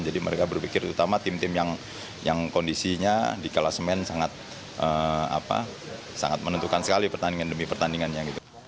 jadi mereka berpikir terutama tim tim yang kondisinya di klasmen sangat menentukan sekali pertandingan demi pertandingannya